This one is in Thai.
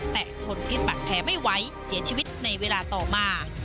แต่ทนพิษบัตรแผลไม่ไหวเสียชีวิตในเวลาต่อมา